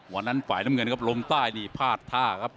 ฝ่ายน้ำเงินครับลมใต้นี่พลาดท่าครับ